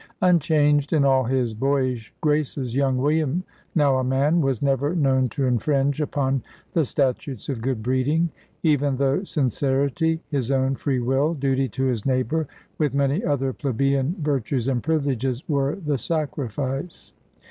Unchanged in all his boyish graces, young William, now a man, was never known to infringe upon the statutes of good breeding; even though sincerity, his own free will, duty to his neighbour, with many other plebeian virtues and privileges, were the sacrifice.